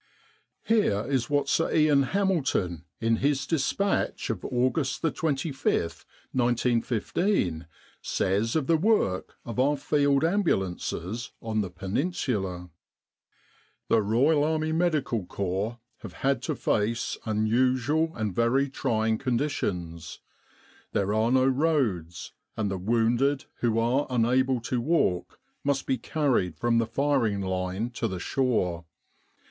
Here is what Sir Ian Hamilton, in his dispatch of August 25, 1915, says of the work of our Field Ambulances on the Peninsula: E 53 With the R.A.M.C. in Egypt "The Royal Army Medical Corps have had to face unusual and very trying conditions. There are no roads, and the wounded who are unable to walk must be carried from the firing line to the shore.